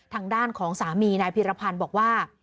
ทางด้านของสามีนายพีรพันธ์บอกว่า